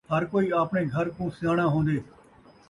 ہر کوئی آپݨے گھر کوں سیاݨا ہون٘دے